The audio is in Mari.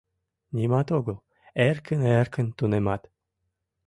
— Нимат огыл, эркын-эркын тунемат...